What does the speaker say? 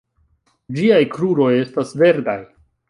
Ĝiaj kruroj estas verdaj.